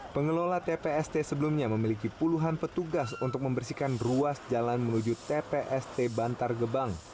pengelola tpst sebelumnya memiliki puluhan petugas untuk membersihkan ruas jalan menuju tpst bantar gebang